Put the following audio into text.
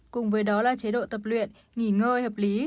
cùng với đó là chế độ tập luyện nghỉ ngơi hợp lý